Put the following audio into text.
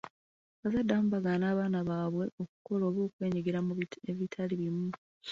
Abazadde abamu bagenda ne bagaana abaana baabwe okukola oba okwenyigira mu ebitali bimu.